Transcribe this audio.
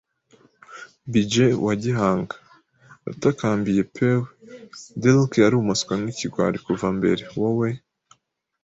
“Budge, wa gihanga!” yatakambiye Pew. “Dirk yari umuswa n'ikigwari kuva mbere - wowe